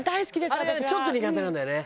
あれがちょっと苦手なんだよね。